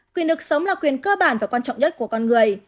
quyền được sống là quyền cơ bản và quan trọng nhất của con người